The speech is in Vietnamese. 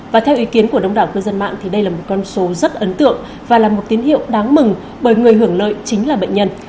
và theo ý kiến của đông đảo cư dân mạng thì đây là một con số rất ấn tượng và là một tín hiệu đáng mừng bởi người hưởng lợi chính là bệnh nhân